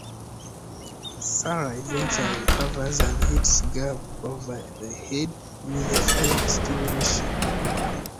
Sara eventually recovers and hits Gabe over the head with a fire extinguisher.